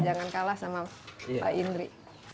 jangan kalah sama pak indri